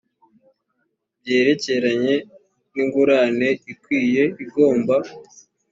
byerekeranye n ingurane ikwiye igomba